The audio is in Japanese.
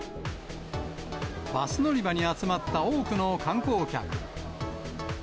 バス乗り場に集まった多くの観光客。